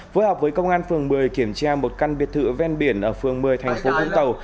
phối hợp với công an phường một mươi kiểm tra một căn biệt thự ven biển ở phường một mươi thành phố vũng tàu